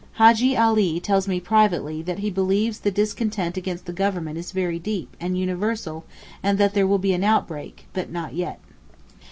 Hajjee Ali tells me privately that he believes the discontent against the Government is very deep and universal and that there will be an outbreak—but not yet.